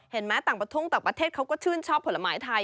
แม้ต่างประทุ่งต่างประเทศเขาก็ชื่นชอบผลไม้ไทย